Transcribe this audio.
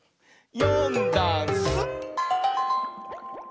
「よんだんす」